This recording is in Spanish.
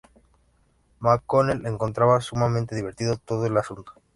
McConnell encontraba sumamente divertido todo el asunto.